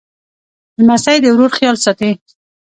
لمسی د ورور خیال ساتي.